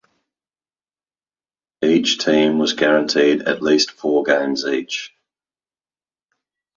Each team was guaranteed at least four games each.